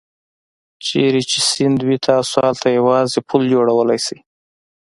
چېرته چې سیند وي تاسو هلته یوازې پل جوړولای شئ.